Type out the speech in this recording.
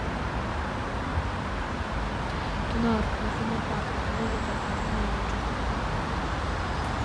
Տունը առգրավում են պարտատերերը և վաճառում աճուրդում։